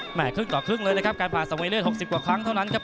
แหม่คลึ่งต่อครึ่งได้ครับการปากสังเวลเลือด๖๐กว่าครั้งเท่านั้นครับ